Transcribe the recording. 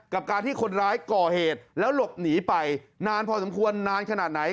กับการที่คนร้ายก่อเหตุแล้วหลบหนีไปนานพอสมควรนานขนาดไหน